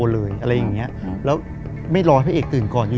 เลยไม่รอให้ไปตื่นก่อน